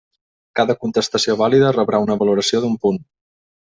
Cada contestació vàlida rebrà una valoració d'un punt.